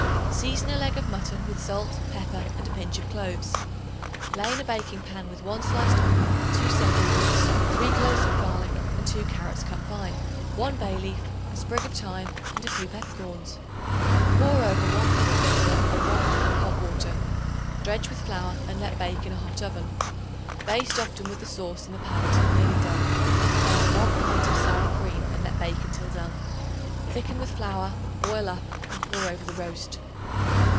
Season a leg of mutton with salt, pepper and a pinch of cloves. Lay in a baking pan with 1 sliced onion, 2 celery roots, 3 cloves of garlic and 2 carrots cut fine, 1 bay leaf, a sprig of thyme and a few peppercorns. Pour over 1 cup of vinegar and 1 cup of hot water. Dredge with flour and let bake in a hot oven. Baste often with the sauce in the pan until nearly done; then add 1 pint of sour cream and let bake until done. Thicken with flour; boil up and pour over the roast.